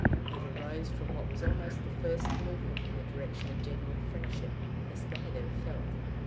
It arose from what was almost the first movement in the direction of genuine friendship Hesper had ever felt.